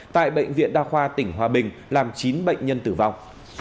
tại bệnh viện đa khoa tỉnh hòa bình làm chín bệnh nhân tử vong